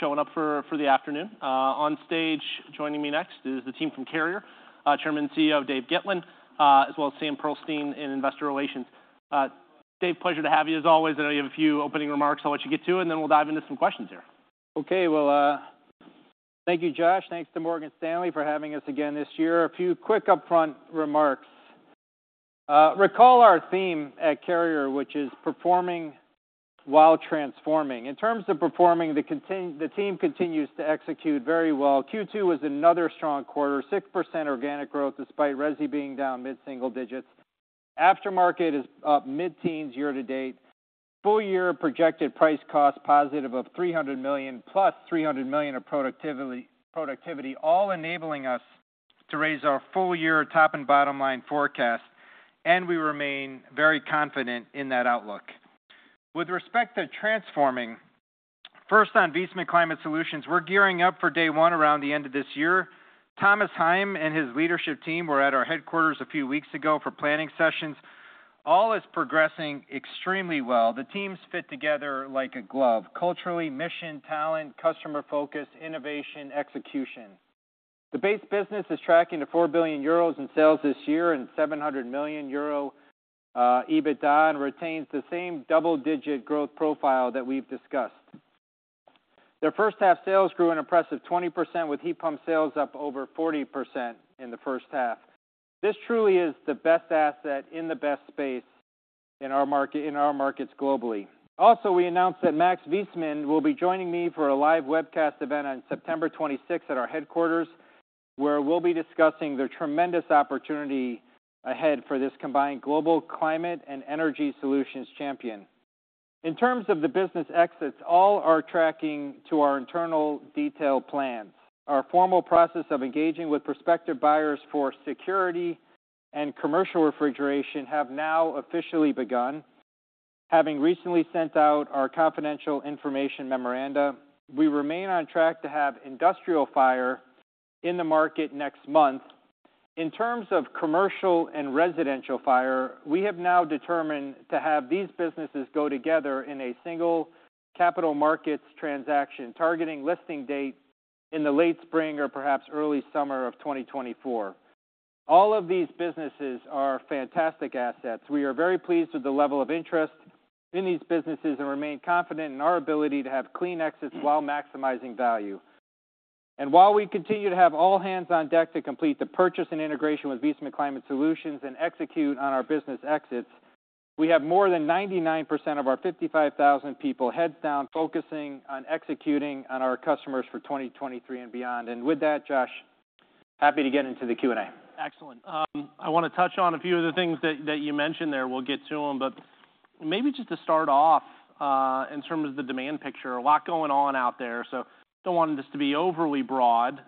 Showing up for the afternoon. On stage, joining me next is the team from Carrier, Chairman and CEO Dave Gitlin, as well as Sam Pearlstein in Investor Relations. Dave, pleasure to have you. As always, I know you have a few opening remarks. I'll let you get to, and then we'll dive into some questions here. Okay. Well, thank you, Josh. Thanks to Morgan Stanley for having us again this year. A few quick upfront remarks. Recall our theme at Carrier, which is performing while transforming. In terms of performing, the team continues to execute very well. Q2 was another strong quarter, 6% organic growth, despite resi being down mid-single digits. Aftermarket is up mid-teens year to date. Full year projected price cost positive of $300 million, + $300 million of productivity, productivity, all enabling us to raise our full-year top and bottom line forecast, and we remain very confident in that outlook. With respect to transforming, first, on Viessmann Climate Solutions, we're gearing up for day one around the end of this year. Thomas Heim and his leadership team were at our headquarters a few weeks ago for planning sessions. All is progressing extremely well. The teams fit together like a glove, culturally, mission, talent, customer focus, innovation, execution. The base business is tracking to 4 billion euros in sales this year, and 700 million euro EBITDA, and retains the same double-digit growth profile that we've discussed. Their first half sales grew an impressive 20%, with heat pump sales up over 40% in the first half. This truly is the best asset in the best space in our market, in our markets globally. Also, we announced that Max Viessmann will be joining me for a live webcast event on September 26th at our headquarters, where we'll be discussing the tremendous opportunity ahead for this combined global climate and energy solutions champion. In terms of the business exits, all are tracking to our internal detailed plans. Our formal process of engaging with prospective buyers for security and commercial refrigeration have now officially begun. Having recently sent out our confidential information memoranda, we remain on track to have industrial fire in the market next month. In terms of commercial and residential fire, we have now determined to have these businesses go together in a single capital markets transaction, targeting listing date in the late spring or perhaps early summer of 2024. All of these businesses are fantastic assets. We are very pleased with the level of interest in these businesses and remain confident in our ability to have clean exits while maximizing value. And while we continue to have all hands on deck to complete the purchase and integration with Viessmann Climate Solutions and execute on our business exits, we have more than 99% of our 55,000 people, heads down, focusing on executing on our customers for 2023 and beyond. And with that, Josh, happy to get into the Q&A. Excellent. I wanna touch on a few of the things that, that you mentioned there. We'll get to them, but maybe just to start off, in terms of the demand picture, a lot going on out there, so don't want this to be overly broad,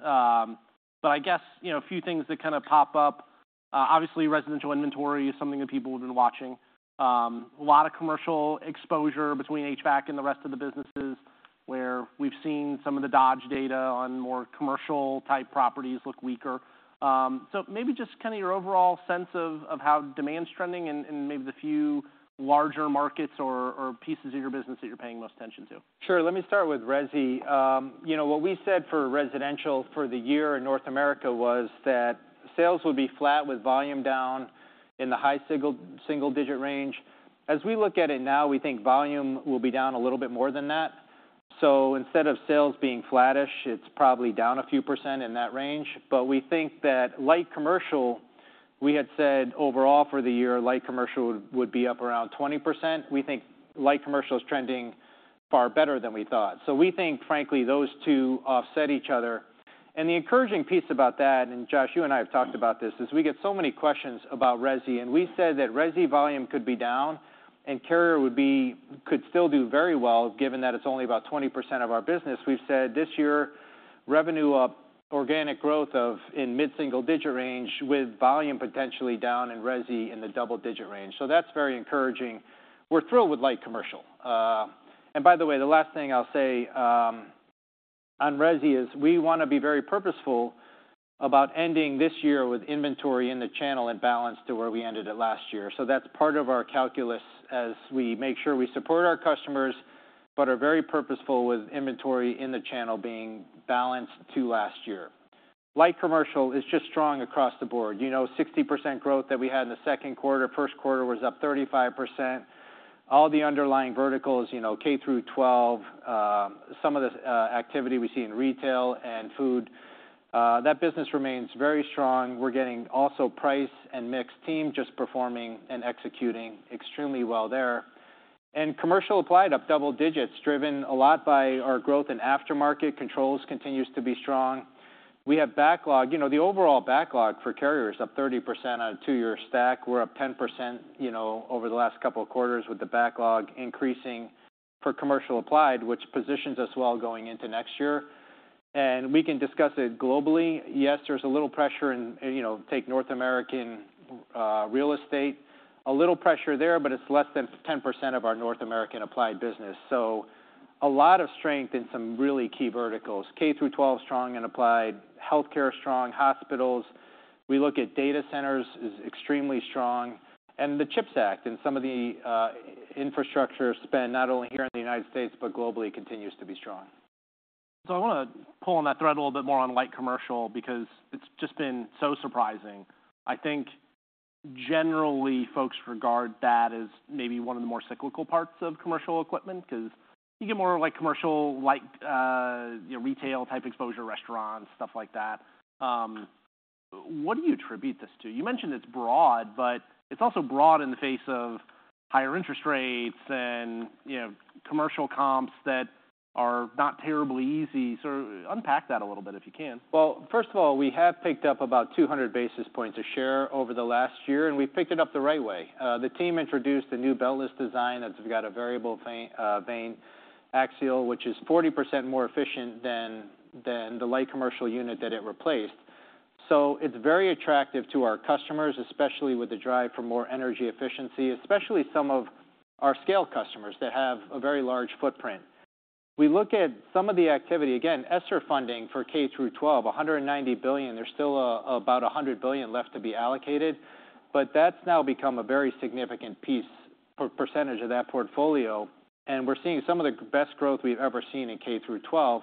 but I guess a few things that kind of pop up. Obviously, residential inventory is something that people have been watching. A lot of commercial exposure between HVAC and the rest of the businesses, where we've seen some of the Dodge data on more commercial-type properties look weaker. So maybe just kind of your overall sense of, of how demand's trending and, and maybe the few larger markets or, or pieces of your business that you're paying most attention to. Sure. Let me start with resi., what we said for residential for the year in North America was that sales would be flat, with volume down in the high single-digit range. As we look at it now, we think volume will be down a little bit more than that. So instead of sales being flattish, it's probably down a few% in that range. But we think that light commercial, we had said overall for the year, light commercial would be up around 20%. We think light commercial is trending far better than we thought. So we think, frankly, those two offset each other. And the encouraging piece about that, and Josh, you and I have talked about this, is we get so many questions about resi, and we said that resi volume could be down and Carrier could still do very well, given that it's only about 20% of our business. We've said this year, revenue up, organic growth of in mid-single digit range, with volume potentially down in resi in the double-digit range. So that's very encouraging. We're thrilled with light commercial. And by the way, the last thing I'll say on resi is we wanna be very purposeful about ending this year with inventory in the channel and balance to where we ended it last year. So that's part of our calculus as we make sure we support our customers, but are very purposeful with inventory in the channel being balanced to last year. Light commercial is just strong across the board., 60% growth that we had in the Q2. Q1 was up 35%. All the underlying verticals K-12, some of the activity we see in retail and food, that business remains very strong. We're getting also price and mix team just performing and executing extremely well there. And commercial applied up double digits, driven a lot by our growth in aftermarket. Controls continues to be strong. We have backlog., the overall backlog for Carrier is up 30% on a two-year stack. We're up 10% over the last couple of quarters, with the backlog increasing for commercial applied, which positions us well going into next year. And we can discuss it globally. Yes, there's a little pressure in take North American real estate. A little pressure there, but it's less than 10% of our North American applied business. So a lot of strength in some really key verticals. K through 12, strong in applied, healthcare, strong, hospitals. We look at data centers is extremely strong, and the CHIPS Act and some of the infrastructure spend, not only here in the United States, but globally, continues to be strong. I want to pull on that thread a little bit more on light commercial, because it's just been so surprising. I think generally, folks regard that as maybe one of the more cyclical parts of commercial equipment, 'cause you get more of, like, commercial-like retail-type exposure, restaurants, stuff like that. What do you attribute this to? You mentioned it's broad, but it's also broad in the face of higher interest rates and commercial comps that are not terribly easy. Unpack that a little bit, if you can. Well, first of all, we have picked up about 200 basis points a share over the last year, and we've picked it up the right way. The team introduced a new beltless design that's got a variable fan- vaneaxial, which is 40% more efficient than, than the light commercial unit that it replaced. So it's very attractive to our customers, especially with the drive for more energy efficiency, especially some of our scale customers that have a very large footprint. We look at some of the activity, again, ESSER funding for K-12, $190 billion. There's still, about $100 billion left to be allocated, but that's now become a very significant piece or percentage of that portfolio, and we're seeing some of the best growth we've ever seen in K-12.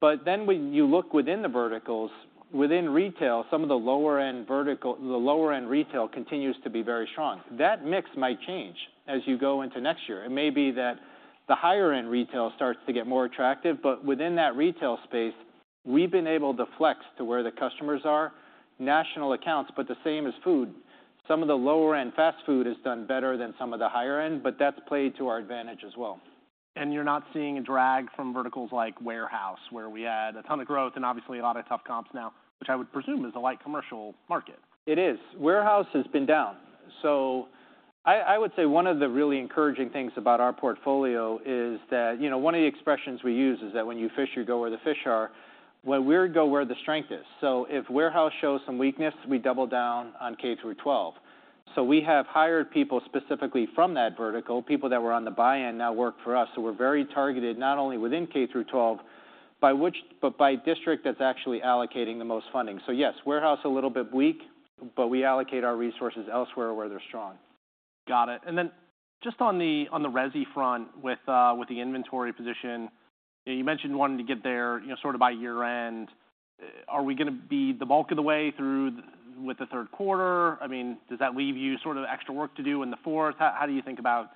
But then when you look within the verticals, within retail, some of the lower-end retail continues to be very strong. That mix might change as you go into next year. It may be that the higher-end retail starts to get more attractive, but within that retail space, we've been able to flex to where the customers are. National accounts, but the same as food. Some of the lower-end fast food has done better than some of the higher end, but that's played to our advantage as well. You're not seeing a drag from verticals like warehouse, where we had a ton of growth and obviously a lot of tough comps now, which I would presume is a light commercial market? It is. Warehouse has been down. So I would say one of the really encouraging things about our portfolio is that one of the expressions we use is that when you fish, you go where the fish are. Well, we go where the strength is. So if warehouse shows some weakness, we double down on K through 12. So we have hired people specifically from that vertical, people that were on the buy-in now work for us. So we're very targeted, not only within K through 12, by which- but by district that's actually allocating the most funding. So yes, warehouse a little bit weak, but we allocate our resources elsewhere where they're strong. Got it. And then just on the, on the resi front, with, with the inventory position, you mentioned wanting to get there sort of by year end. Are we gonna be the bulk of the way through with the Q3? I mean, does that leave you sort of extra work to do in the fourth? How do you think about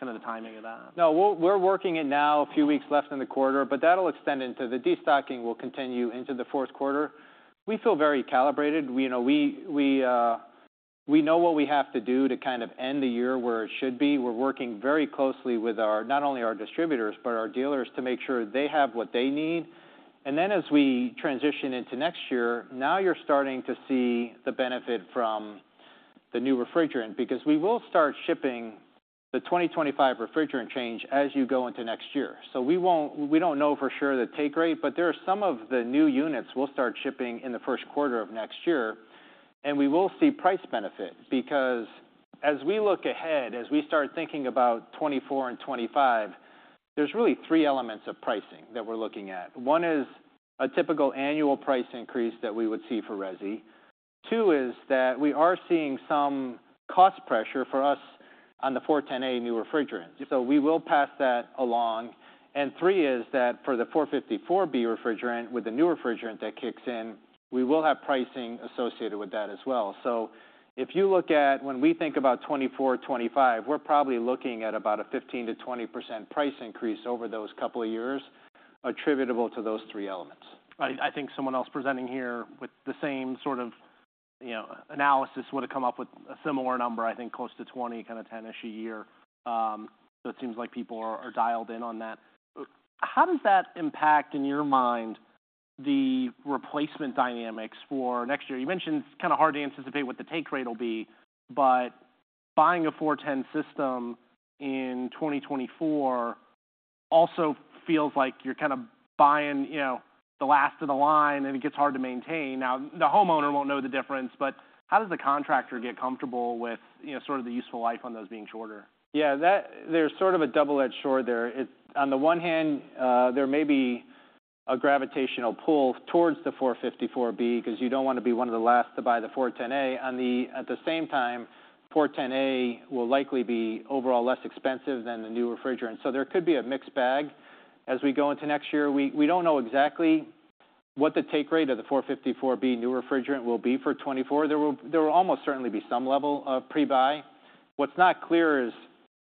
kind of the timing of that? No, we're working it now, a few weeks left in the quarter, but that'll extend into the Q4. Destocking will continue into the Q4. We feel very calibrated. We know what we have to do to kind of end the year where it should be. We're working very closely with our, not only our distributors, but our dealers, to make sure they have what they need. And then, as we transition into next year, now you're starting to see the benefit from the new refrigerant, because we will start shipping the 2025 refrigerant change as you go into next year. So we don't know for sure the take rate, but there are some of the new units we'll start shipping in the Q1 of next year. We will see price benefit because as we look ahead, as we start thinking about 2024 and 2025, there's really three elements of pricing that we're looking at. One is a typical annual price increase that we would see for resi. Two is that we are seeing some cost pressure for us on the 410A new refrigerant, so we will pass that along. And three is that for the 454B refrigerant, with the new refrigerant that kicks in, we will have pricing associated with that as well. So if you look at when we think about 2024, 2025, we're probably looking at about a 15%-20% price increase over those couple of years, attributable to those three elements. I think someone else presenting here with the same sort of analysis would have come up with a similar number, I think close to 20, kind of 10-ish a year. So it seems like people are dialed in on that. How does that impact, in your mind, the replacement dynamics for next year? You mentioned it's kind of hard to anticipate what the take rate will be, but buying a 410 system in 2024 also feels like you're kind of buying the last of the line, and it gets hard to maintain. Now, the homeowner won't know the difference, but how does the contractor get comfortable with sort of the useful life on those being shorter? Yeah, there's sort of a double-edged sword there. It's. On the one hand, there may be a gravitational pull towards the 454B, because you don't want to be one of the last to buy the 410A. At the same time, 410A will likely be overall less expensive than the new refrigerant, so there could be a mixed bag as we go into next year. We don't know exactly what the take rate of the 454B new refrigerant will be for 2024. There will almost certainly be some level of pre-buy. What's not clear is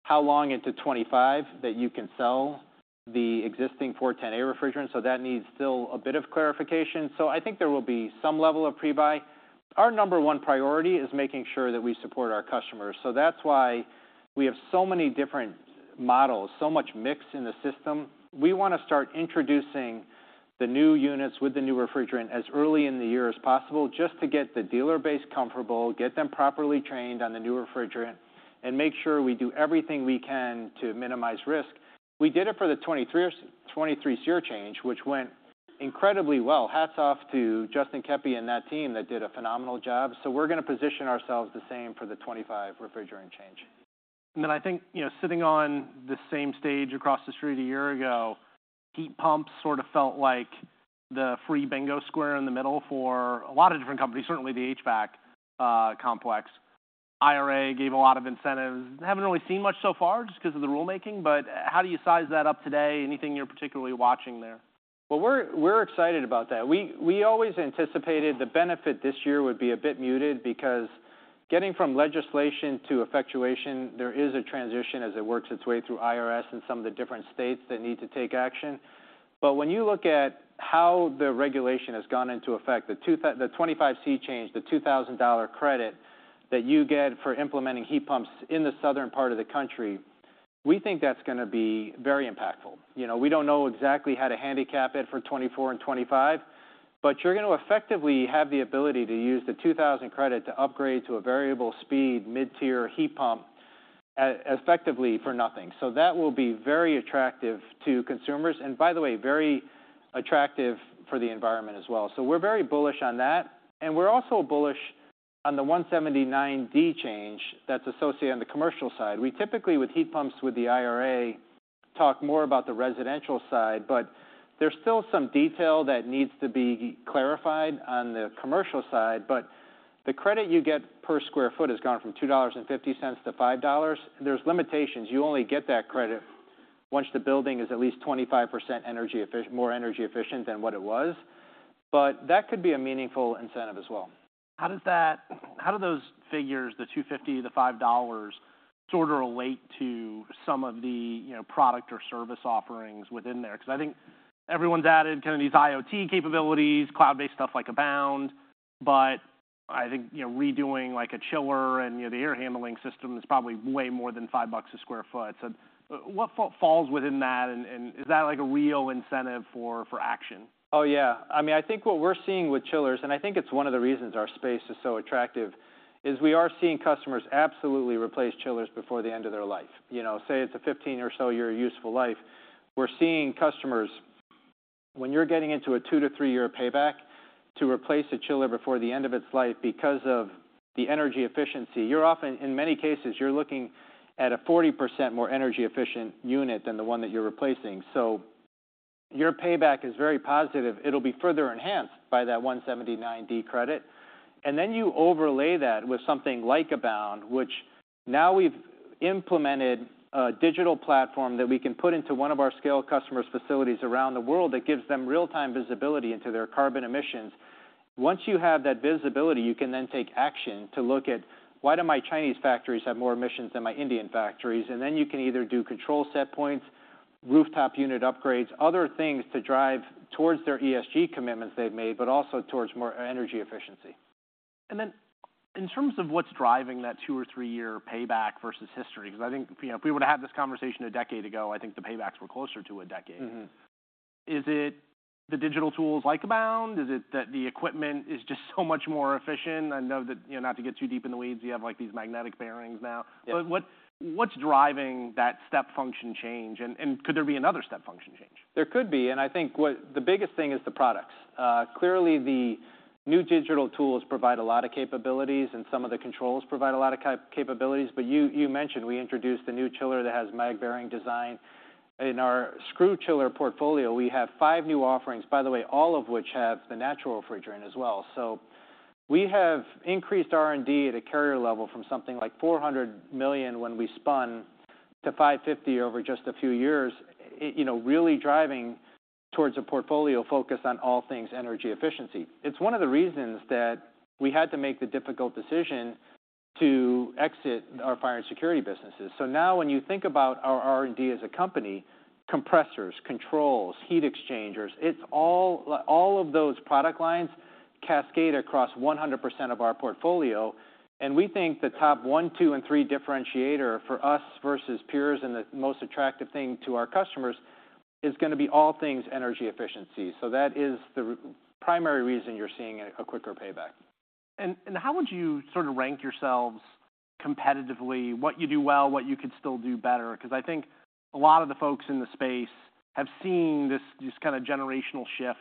how long into 2025 that you can sell the existing 410A refrigerant, so that needs still a bit of clarification. So I think there will be some level of pre-buy. Our number one priority is making sure that we support our customers, so that's why we have so many different models, so much mix in the system. We want to start introducing the new units with the new refrigerant as early in the year as possible, just to get the dealer base comfortable, get them properly trained on the new refrigerant, and make sure we do everything we can to minimize risk. We did it for the 2023, 23 SEER change, which went incredibly well. Hats off to Justin Keppy and that team that did a phenomenal job. So we're gonna position ourselves the same for the 25 refrigerant change.... And then I think sitting on the same stage across the street a year ago, heat pumps sort of felt like the free bingo square in the middle for a lot of different companies, certainly the HVAC complex. IRA gave a lot of incentives. Haven't really seen much so far, just because of the rulemaking, but how do you size that up today? Anything you're particularly watching there? Well, we're excited about that. We always anticipated the benefit this year would be a bit muted because getting from legislation to effectuation, there is a transition as it works its way through IRS and some of the different states that need to take action. But when you look at how the regulation has gone into effect, the 25C change, the $2,000 credit that you get for implementing heat pumps in the southern part of the country, we think that's gonna be very impactful., we don't know exactly how to handicap it for 2024 and 2025, but you're going to effectively have the ability to use the $2,000 credit to upgrade to a variable speed, mid-tier heat pump, effectively for nothing. So that will be very attractive to consumers, and by the way, very attractive for the environment as well. So we're very bullish on that, and we're also bullish on the 179D change that's associated on the commercial side. We typically, with heat pumps, with the IRA, talk more about the residential side, but there's still some detail that needs to be clarified on the commercial side. But the credit you get per square foot has gone from $2.50 to $5. There's limitations. You only get that credit once the building is at least 25% more energy efficient than what it was, but that could be a meaningful incentive as well. How does that... How do those figures, the $2.50, the $5, sort of relate to some of the product or service offerings within there? Because I think everyone's added kind of these IoT capabilities, cloud-based stuff like Abound, but I think redoing, like, a chiller and the air handling system is probably way more than $5 a sq ft. So what falls within that, and, and is that, like, a real incentive for, for action? Oh, yeah. I mean, I think what we're seeing with chillers, and I think it's one of the reasons our space is so attractive, is we are seeing customers absolutely replace chillers before the end of their life., say, it's a 15- or so-year useful life. We're seeing customers, when you're getting into a two to tthree year payback to replace a chiller before the end of its life because of the energy efficiency, you're often, in many cases, you're looking at a 40% more energy efficient unit than the one that you're replacing. So your payback is very positive. It'll be further enhanced by that 179D credit. And then you overlay that with something like Abound, which now we've implemented a digital platform that we can put into one of our scale customers' facilities around the world that gives them real-time visibility into their carbon emissions. Once you have that visibility, you can then take action to look at: Why do my Chinese factories have more emissions than my Indian factories? And then you can either do control set points, rooftop unit upgrades, other things to drive towards their ESG commitments they've made, but also towards more energy efficiency. And then in terms of what's driving that two or three year payback versus history, because I think if we would've had this conversation a decade ago, I think the paybacks were closer to a decade. Mm-hmm. Is it the digital tools like Abound? Is it that the equipment is just so much more efficient? I know that not to get too deep in the weeds, you have, like, these magnetic bearings now. Yeah. But what's driving that step function change? And could there be another step function change? There could be, and I think what the biggest thing is the products. Clearly, the new digital tools provide a lot of capabilities, and some of the controls provide a lot of capabilities. But you mentioned we introduced a new chiller that has mag Bearing design. In our screw chiller portfolio, we have 5 new offerings, by the way, all of which have the natural refrigerant as well. So we have increased R&D at a Carrier level from something like $400 million when we spun to $550 million over just a few years really driving towards a portfolio focused on all things energy efficiency. It's one of the reasons that we had to make the difficult decision to exit our fire and security businesses. So now when you think about our R&D as a company, compressors, controls, heat exchangers, it's all of those product lines cascade across 100% of our portfolio, and we think the top one, two, and three differentiator for us versus peers, and the most attractive thing to our customers, is gonna be all things energy efficiency. So that is the primary reason you're seeing a quicker payback. How would you sort of rank yourselves competitively, what you do well, what you could still do better? Because I think a lot of the folks in the space have seen this, this kind of generational shift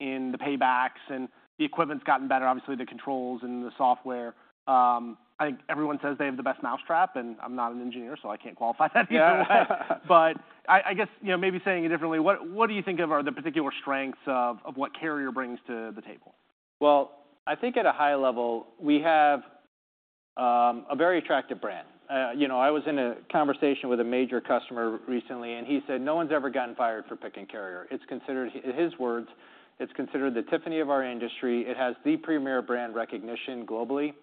in the paybacks, and the equipment's gotten better, obviously, the controls and the software. I think everyone says they have the best mousetrap, and I'm not an engineer, so I can't qualify that either way. Yeah. But I guess maybe saying it differently, what do you think are the particular strengths of what Carrier brings to the table? Well, I think at a high level, we have a very attractive brand., I was in a conversation with a major customer recently, and he said, "No one's ever gotten fired for picking Carrier." It's considered... His words, "It's considered the Tiffany of our industry. It has the premier brand recognition globally."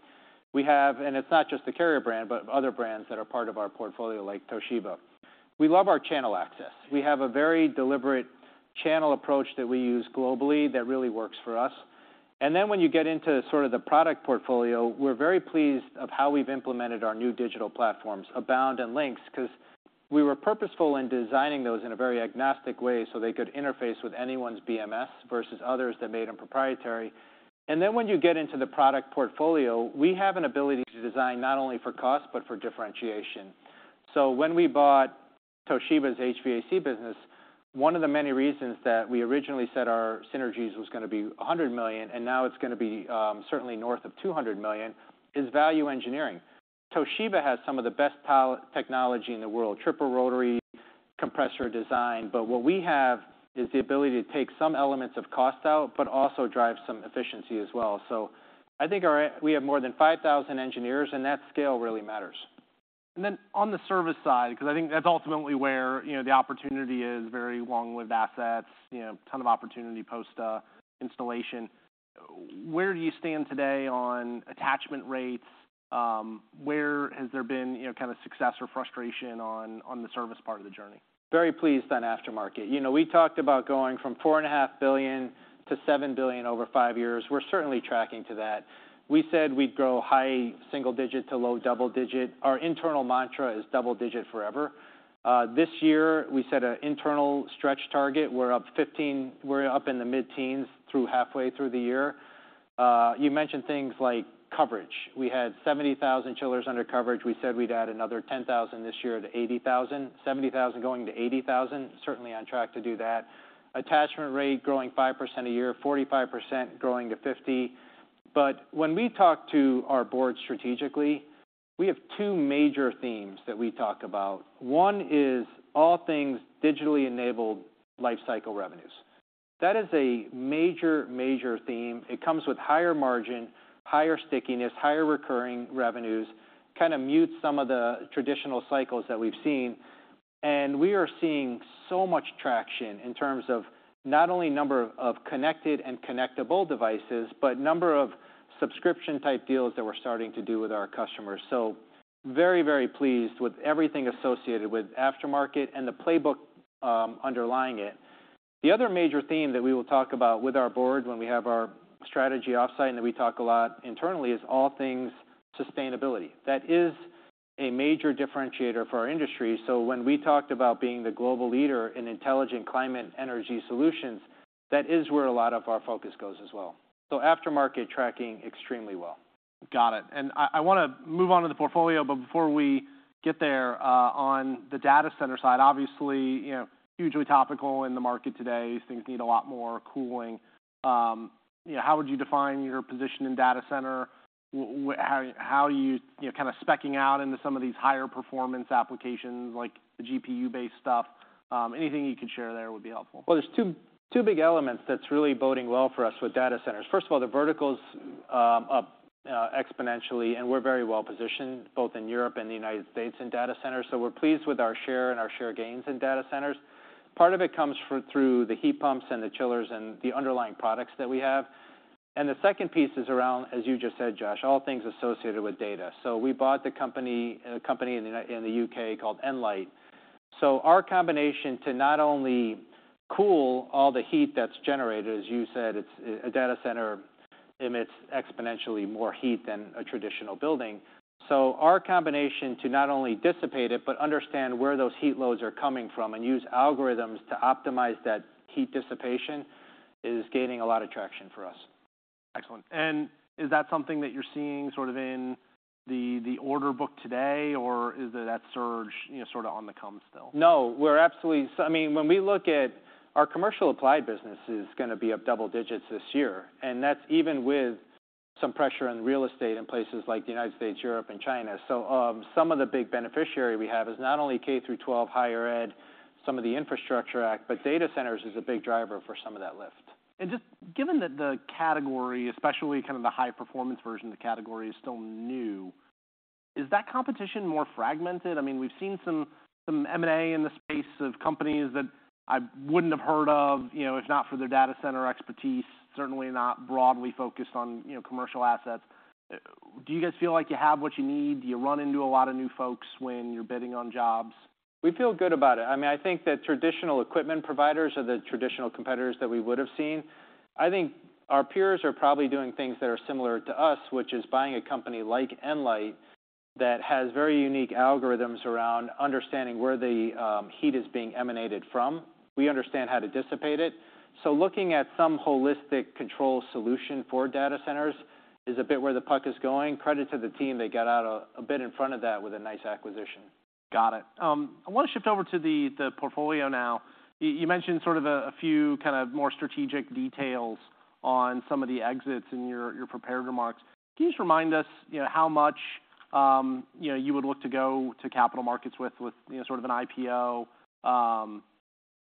We have. And it's not just the Carrier brand, but other brands that are part of our portfolio, like Toshiba. We love our channel access. We have a very deliberate channel approach that we use globally that really works for us. And then, when you get into sort of the product portfolio, we're very pleased of how we've implemented our new digital platforms, Abound and Lynx, 'cause we were purposeful in designing those in a very agnostic way so they could interface with anyone's BMS versus others that made them proprietary. And then, when you get into the product portfolio, we have an ability to design not only for cost, but for differentiation. So when we bought Toshiba's HVAC business, one of the many reasons that we originally said our synergies was gonna be $100 million, and now it's gonna be certainly north of $200 million, is value engineering. Toshiba has some of the best-in-class technology in the world, triple rotary compressor design, but what we have is the ability to take some elements of cost out, but also drive some efficiency as well. So I think we have more than 5,000 engineers, and that scale really matters. And then on the service side, 'cause I think that's ultimately where the opportunity is, very long-lived assets ton of opportunity post installation. Where do you stand today on attachment rates? Where has there been kind of success or frustration on the service part of the journey? Very pleased on aftermarket., we talked about going from $4.5 billion to $7 billion over five years. We're certainly tracking to that. We said we'd grow high single digit to low double digit. Our internal mantra is double digit forever. This year, we set an internal stretch target. We're up in the mid-teens through halfway through the year. You mentioned things like coverage. We had 70,000 chillers under coverage. We said we'd add another 10,000 this year to 80,000. 70,000 going to 80,000, certainly on track to do that. Attachment rate growing 5% a year, 45%, growing to 50%. But when we talk to our board strategically, we have two major themes that we talk about. One is all things digitally enabled life cycle revenues. That is a major, major theme. It comes with higher margin, higher stickiness, higher recurring revenues, kinda mutes some of the traditional cycles that we've seen, and we are seeing so much traction in terms of not only number of connected and connectable devices, but number of subscription-type deals that we're starting to do with our customers. So very, very pleased with everything associated with aftermarket and the playbook underlying it. The other major theme that we will talk about with our board when we have our strategy off-site, and that we talk a lot internally, is all things sustainability. That is a major differentiator for our industry. So when we talked about being the global leader in intelligent climate energy solutions, that is where a lot of our focus goes as well. So aftermarket tracking extremely well. Got it. And I wanna move on to the portfolio, but before we get there, on the data center side, obviously hugely topical in the market today, things need a lot more cooling. , how would you define your position in data center? How are you kind of speccing out into some of these higher performance applications, like the GPU-based stuff? Anything you can share there would be helpful. Well, there's two big elements that's really boding well for us with data centers. First of all, the vertical's up exponentially, and we're very well positioned both in Europe and the United States in data centers, so we're pleased with our share and our share gains in data centers. Part of it comes through the heat pumps and the chillers and the underlying products that we have. And the second piece is around, as you just said, Josh, all things associated with data. So we bought a company in the U.K. called Nlyte. So our combination to not only cool all the heat that's generated, as you said, it's a data center emits exponentially more heat than a traditional building. Our combination to not only dissipate it, but understand where those heat loads are coming from and use algorithms to optimize that heat dissipation, is gaining a lot of traction for us. Excellent. Is that something that you're seeing sort of in the order book today, or is that surge sort of on the come still? No, we're absolutely—I mean, when we look at our commercial applied business is gonna be up double digits this year, and that's even with some pressure on real estate in places like the United States, Europe, and China. So, some of the big beneficiary we have is not only K-12 higher ed, some of the Infrastructure Act, but data centers is a big driver for some of that lift. Just given that the category, especially kind of the high-performance version of the category, is still new, is that competition more fragmented? I mean, we've seen some, some M&A in the space of companies that I wouldn't have heard of if not for their data center expertise, certainly not broadly focused on commercial assets. Do you guys feel like you have what you need? Do you run into a lot of new folks when you're bidding on jobs? We feel good about it. I mean, I think that traditional equipment providers are the traditional competitors that we would have seen. I think our peers are probably doing things that are similar to us, which is buying a company like nLight, that has very unique algorithms around understanding where the heat is being emanated from. We understand how to dissipate it. So looking at some holistic control solution for data centers is a bit where the puck is going. Credit to the team, they got out a bit in front of that with a nice acquisition. Got it. I wanna shift over to the, the portfolio now. You, you mentioned sort of a, a few kind of more strategic details on some of the exits in your, your prepared remarks. Can you just remind us how much you would look to go to capital markets with, with sort of an IPO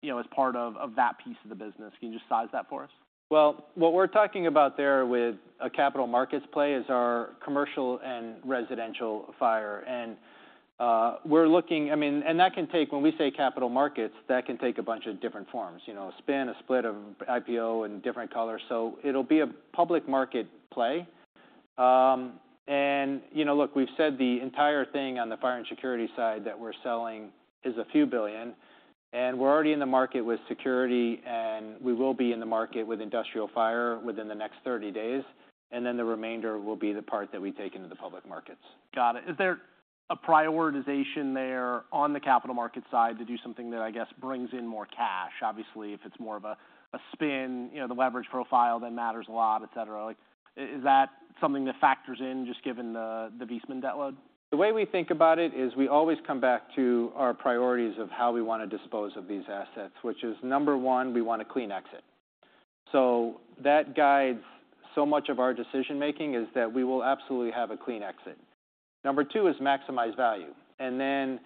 as part of, of that piece of the business? Can you just size that for us? Well, what we're talking about there with a capital markets play is our commercial and residential fire, and, we're looking... I mean, and that can take, when we say capital markets, that can take a bunch of different forms a spin, a split of IPO in different colors, so it'll be a public market play. And look, we've said the entire thing on the fire and security side that we're selling is $a few billion, and we're already in the market with security, and we will be in the market with industrial fire within the next 30 days, and then the remainder will be the part that we take into the public markets. Got it. Is there a prioritization there on the capital market side to do something that, I guess, brings in more cash? Obviously, if it's more of a spin the leverage profile, then matters a lot, et cetera. Like, is that something that factors in just given the Viessmann debt load? The way we think about it is we always come back to our priorities of how we wanna dispose of these assets, which is, number 1, we want a clean exit... So that guides so much of our decision-making, is that we will absolutely have a clean exit. Number 2 is maximize value, and then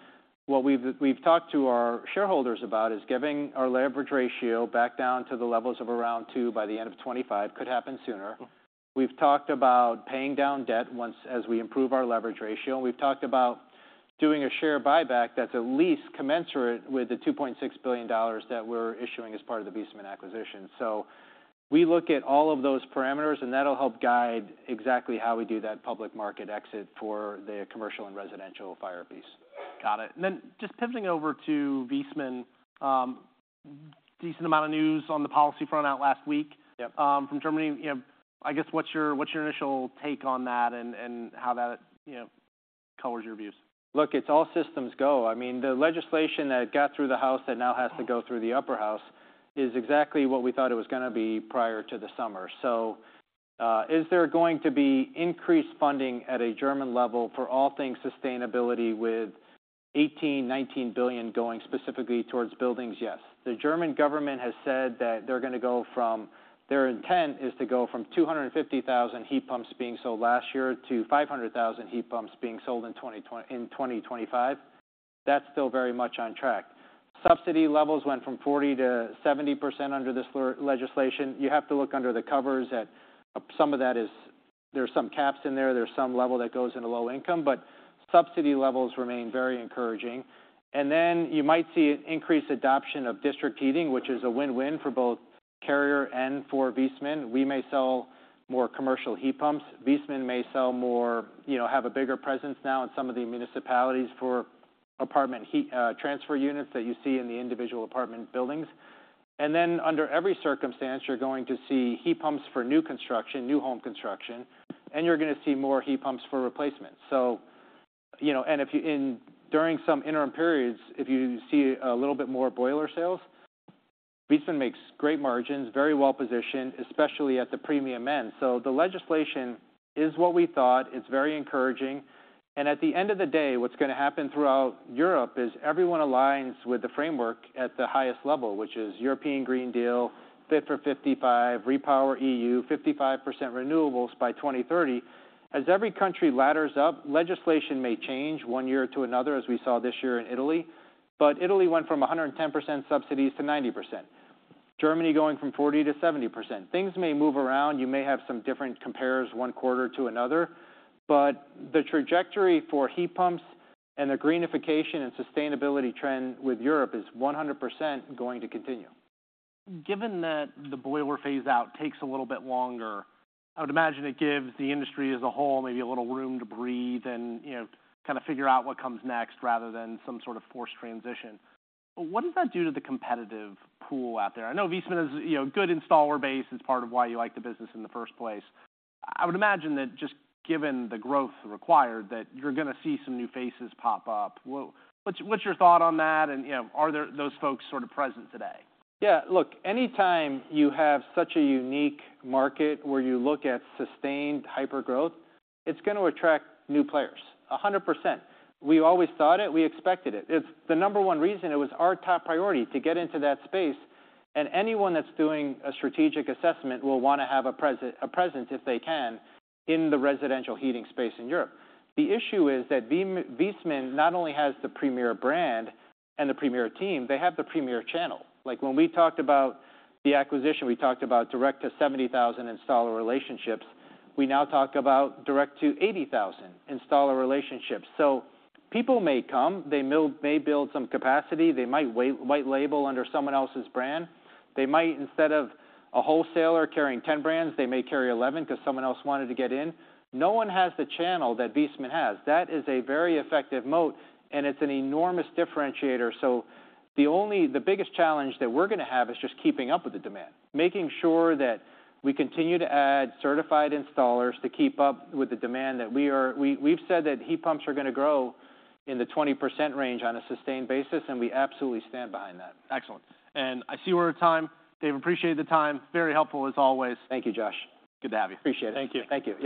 what we've, we've talked to our shareholders about is getting our leverage ratio back down to the levels of around 2 by the end of 2025. Could happen sooner. We've talked about paying down debt once as we improve our leverage ratio, and we've talked about doing a share buyback that's at least commensurate with the $2.6 billion that we're issuing as part of the Viessmann acquisition. So we look at all of those parameters, and that'll help guide exactly how we do that public market exit for the commercial and residential fire piece. Got it. Just pivoting over to Viessmann, decent amount of news on the policy front out last week. Yep. From Germany., I guess, what's your, what's your initial take on that and, and how that colors your views? Look, it's all systems go. I mean, the legislation that got through the House that now has to go through the Upper House is exactly what we thought it was gonna be prior to the summer. So, is there going to be increased funding at a German level for all things sustainability, with 18-19 billion going specifically towards buildings? Yes. The German government has said that they're gonna go from- Their intent is to go from 250,000 heat pumps being sold last year to 500,000 heat pumps being sold in 2025. That's still very much on track. Subsidy levels went from 40%-70% under this legislation. You have to look under the covers at... Some of that is, there's some caps in there, there's some level that goes into low income, but subsidy levels remain very encouraging. And then you might see an increased adoption of district heating, which is a win-win for both Carrier and for Viessmann. We may sell more commercial heat pumps. Viessmann may sell more..., have a bigger presence now in some of the municipalities for apartment heat transfer units that you see in the individual apartment buildings. And then, under every circumstance, you're going to see heat pumps for new construction, new home construction, and you're gonna see more heat pumps for replacement. So and if during some interim periods, if you see a little bit more boiler sales, Viessmann makes great margins, very well-positioned, especially at the premium end. So the legislation is what we thought. It's very encouraging, and at the end of the day, what's gonna happen throughout Europe is everyone aligns with the framework at the highest level, which is European Green Deal, Fit for 55, REPowerEU, 55% renewables by 2030. As every country ladders up, legislation may change one year to another, as we saw this year in Italy, but Italy went from 110% subsidies to 90%, Germany going from 40%-70%. Things may move around. You may have some different compares Q1 to another, but the trajectory for heat pumps and the greenification and sustainability trend with Europe is 100% going to continue. Given that the boiler phase-out takes a little bit longer, I would imagine it gives the industry as a whole maybe a little room to breathe and kind of figure out what comes next, rather than some sort of forced transition. But what does that do to the competitive pool out there? I know Viessmann has a good installer base. It's part of why you like the business in the first place. I would imagine that just given the growth required, that you're gonna see some new faces pop up. What, what's, what's your thought on that, and are there those folks sort of present today? Yeah, look, anytime you have such a unique market where you look at sustained hypergrowth, it's gonna attract new players, 100%. We always thought it. We expected it. It's the number one reason it was our top priority to get into that space, and anyone that's doing a strategic assessment will wanna have a presence, if they can, in the residential heating space in Europe. The issue is that Viessmann not only has the premier brand and the premier team, they have the premier channel. Like, when we talked about the acquisition, we talked about direct to 70,000 installer relationships. We now talk about direct to 80,000 installer relationships. So people may come, they may build some capacity. They might white label under someone else's brand. They might, instead of a wholesaler carrying 10 brands, they may carry 11 because someone else wanted to get in. No one has the channel that Viessmann has. That is a very effective moat, and it's an enormous differentiator. So the biggest challenge that we're gonna have is just keeping up with the demand, making sure that we continue to add certified installers to keep up with the demand that we are. We, we've said that heat pumps are gonna grow in the 20% range on a sustained basis, and we absolutely stand behind that. Excellent, I see we're at time. Dave, appreciate the time. Very helpful, as always. Thank you, Josh. Good to have you. Appreciate it. Thank you. Thank you. Yeah.